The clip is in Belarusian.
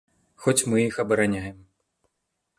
Хоць мы іх абараняем.